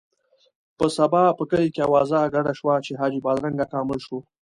په سبا په کلي کې اوازه ګډه شوه چې حاجي بادرنګ اکا مړ شو.